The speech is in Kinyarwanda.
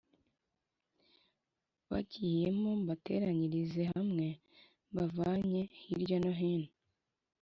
Bagiyemo mbateranyirize hamwe mbavanye hirya no hino